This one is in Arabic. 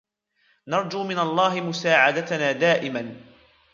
نرجوا من الله مساعدتنا دائماً ;